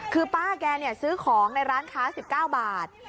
คือป้าแกซื้อของในร้านค้า๑๙บาท